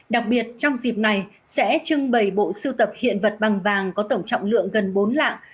đặc biệt trong dịp này sẽ trưng bày bộ siêu tập hiện vật bằng vàng có tổng trọng lượng gần bốn lạng